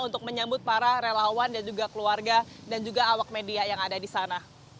untuk menyambut para relawan dan juga keluarga dan juga awak media yang ada di sana